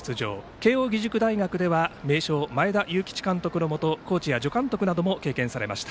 慶応義塾大学では名将、前田監督のもとコーチや助監督なども経験されました。